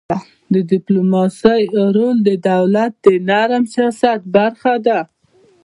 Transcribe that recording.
د ډيپلوماسی رول د دولت د نرم سیاست برخه ده.